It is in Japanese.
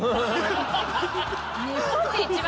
日本で一番？